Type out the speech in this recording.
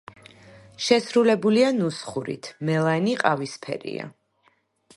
შესრულებულია ნუსხურით, მელანი ყავისფერია.